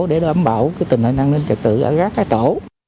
để đảm bảo tình hình an ninh trật tự ở các tổ